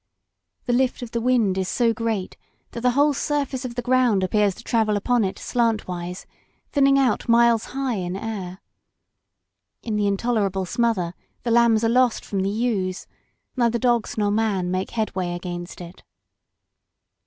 The lift of the wind is so great that the whole surface of the ground appears to travel upon it slantwise, thinning out miles high in air. In the intolerable smother the lambs are lost from the ewes; neither dogs nor man make headway against it.